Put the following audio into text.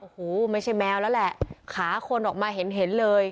โอ้โหไม่ใช่แมวแล้วแหละขาคนออกมาเห็นเห็นเลย